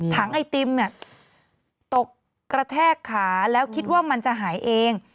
ไอติมเนี่ยตกกระแทกขาแล้วคิดว่ามันจะหายเอง